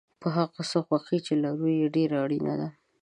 په هغه څه خوښي چې لرو ډېره اړینه ده.